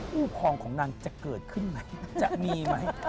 ผู้ครองของนางจะเกิดขึ้นไหมจะมีไหม